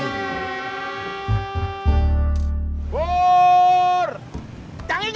prak toprak toprak cendol manis dingin